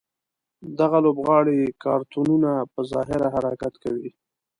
دغه لوبغاړي کارتونونه په ظاهره حرکت کوي.